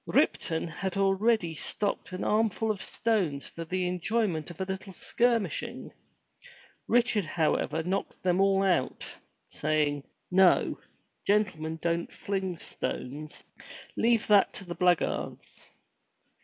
Ripton had already stocked an armful of stones for the enjoyment of a little skirmish ing. Richard however knocked them all out, saying, "No! Gentlemen don't fling stones. Leave that to the blackguards!"